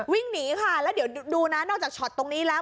วิ่งหนีค่ะแล้วเดี๋ยวดูนะนอกจากช็อตตรงนี้แล้ว